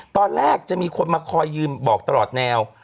ตอนแรกจะมีคนมาคอยยืมบอกตลอดแนว